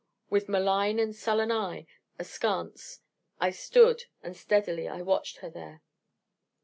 With malign and sullen eye askance I stood, and steadily I watched her there.